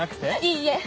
いいえ！